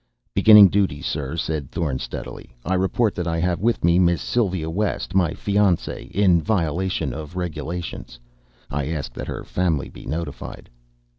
"Beginning duty sir," said Thorn steadily, "I report that I have with me Miss Sylva West, my fiancée, in violation of regulations. I ask that her family be notified."